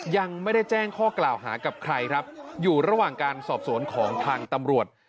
ยังไม่ได้แจ้งข้อกล่าวหากับใครครับอยู่ระหว่างการสอบสวนของทางตำรวจ